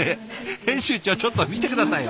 編集長ちょっと見て下さいよ！